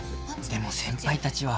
でも先輩たちは